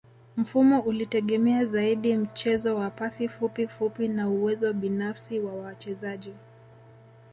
Mfumo ulitegemea zaidi mchezo wa pasi fupi fupi na uwezo binafsi wa wachezaji